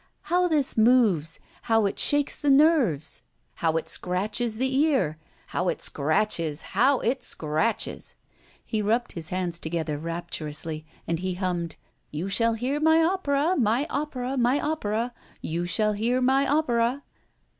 How this moves, how it shakes the nerves! how it scratches the ear how it scratches! how it scratches!" He rubbed his hands together rapturously, and he hummed: "You shall hear my opera my opera my opera. You shall hear my opera."